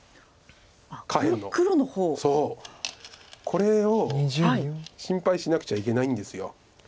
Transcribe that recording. これを心配しなくちゃいけないんです。